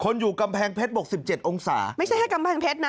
อยู่กำแพงเพชรบอกสิบเจ็ดองศาไม่ใช่แค่กำแพงเพชรนะ